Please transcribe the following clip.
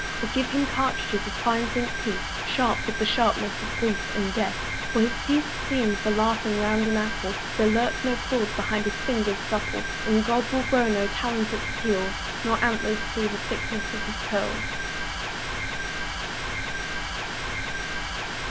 Or give him cartridges of fine zinc teeth, Sharp with the sharpness of grief and death. For his teeth seem for laughing round an apple. There lurk no claws behind his fingers supple; And God will grow no talons at his heels, Nor antlers through the thickness of his curls.